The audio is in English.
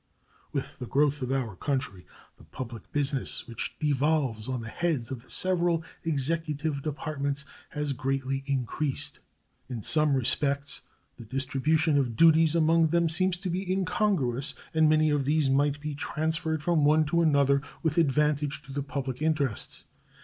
With the growth of our country the public business which devolves on the heads of the several Executive Departments has greatly increased. In some respects the distribution of duties among them seems to be incongruous, and many of these might be transferred from one to another with advantage to the public interests.